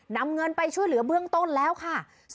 นำเงินไปช่วยเหลือเบื้องต้นแล้วค่ะ